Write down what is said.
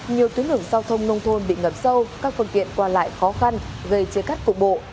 nhiều tuyến đường giao thông nông thôn bị ngập sâu các phương tiện qua lại khó khăn gây chia cắt cục bộ